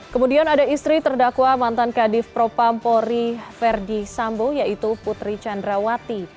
kemudian ada istri terdakwa mantan kadif propampori ferdi sampo yaitu putri chandrawati